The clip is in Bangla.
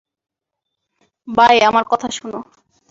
ভাই, আমার কথা শোনো।